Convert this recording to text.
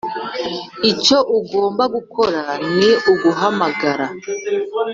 icyo ugomba gukora ni uguhamagara